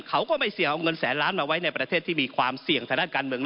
เขาก็ไม่เสี่ยงเอาเงินแสนล้านมาไว้ในประเทศที่มีความเสี่ยงทางด้านการเมือง